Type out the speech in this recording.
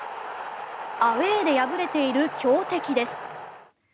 アウェーで敗れている強敵です。